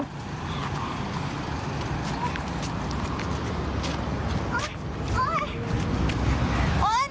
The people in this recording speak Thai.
โอ้โฮ